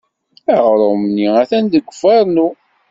Aɣrum-nni atan deg ufarnu.